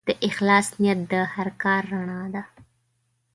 د اخلاص نیت د هر کار رڼا ده.